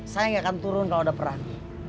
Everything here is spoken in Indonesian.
saya nggak akan turun kalau ada perang